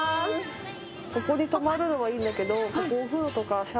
ここに泊まるのはいいんだけど。